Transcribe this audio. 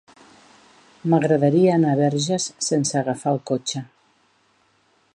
M'agradaria anar a Verges sense agafar el cotxe.